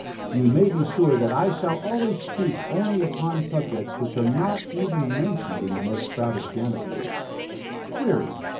You may be sure that I shall always speak only upon subjects which are not even mentioned in the most crowded piano schools. _Query.